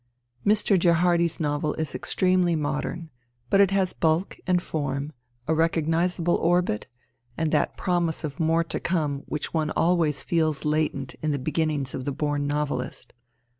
Mr. Gerhardi's novel is extremely modern ; but it has bulk and form, a recognizable orbit, and that promise of more to come which one always feels latent in the begin nings of the born novelist.